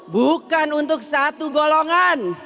bukan untuk satu golongan